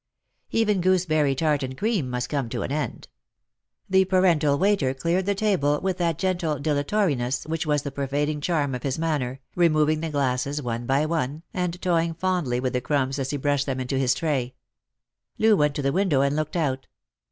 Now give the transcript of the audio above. Even gooseberry tart and cream must come to an end. The parental waiter cleared the table with that gentle dilatoriness which was the pervading charm of his manner, removing the glasses one by one, and toying fondly with the crumbs as he brushed them into his tray. Loo went to the window and looked out.